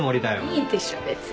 いいでしょ別に。